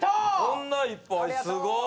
こんないっぱいすごい！